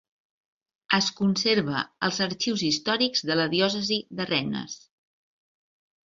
Es conserva als Arxius històrics de la diòcesi de Rennes.